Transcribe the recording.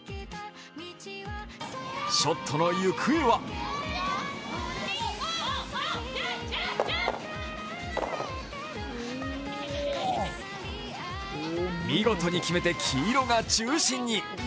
ショットの行方は見事に決めて黄色が中心に。